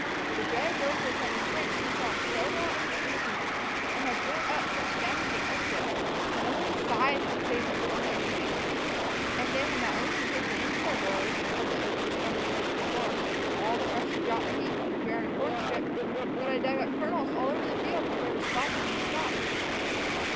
For the gray gophers had intrenched themselves so well in the timothy, and had thrown up such damaging earthworks, that only a scythe could save what little hay remained; and they had not only taken into their burrows as had been discovered the week before all the freshly dropped seed from the barren corn strip, but had dug up kernels all over the field when they were sprouting into stalks.